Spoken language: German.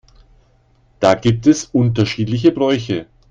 Da gibt es unterschiedliche Bräuche.